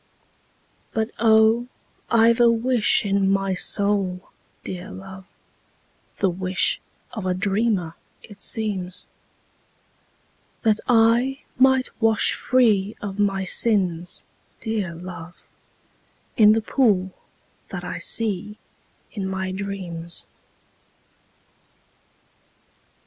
But, oh, I 've a wish in my soul, dear love, (The wish of a dreamer, it seems,) That I might wash free of my sins, dear love, In the pool that I see in my dreams.